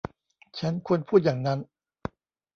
ฉันควรพูดอย่างนั้น !